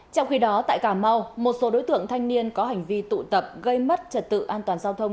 trong khi đó tại cà mau một số đối tượng thanh niên có hành vi tụ tập gây mất trật tự an toàn giao thông